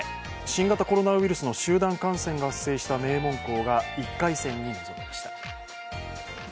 新型コロナウイルスの集団感染が発生した名門校が１回戦に臨みました。